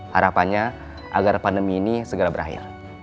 harapannya agar pandemi ini segera berakhir